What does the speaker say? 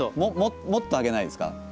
もっと上げないですか？